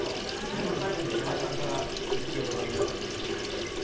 最後に野田さんから『スッキリ』をご覧の皆さんにメッセージをお願いします。